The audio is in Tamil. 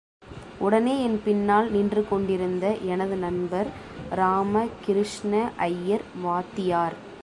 உடனே என் பின்னால் நின்று கொண்டிருந்த எனது நண்பர் ராம கிருஷ்ண ஐயர், வாத்தியார்!